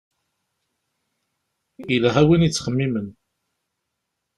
Yelha win yettxemmimen.